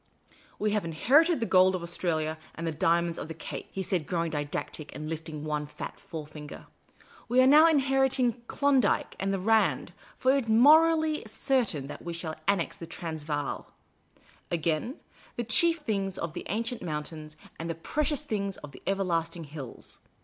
" We have inherited the gold of Australia and the diimonds of the Cape," he said, growing didactic, and lifting one fat forefinger ;" w^e are now inheriting Klondike and the Rand, for it is morally certain that we shall annex the Transvaal, Again, ' the chief things of the ancient mountains, and the precious things of the everlasting hills.'